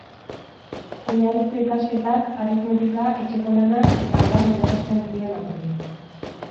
Oinarrizko ikasketak, aritmetika, etxeko lanak eta abar irakasten zien haurrei.